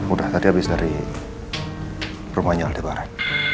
udah tadi habis dari rumahnya aldebaran